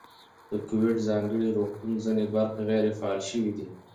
د کوویډ ځانګړي روغتون ځینې برخې غیر فعالې شوې دي.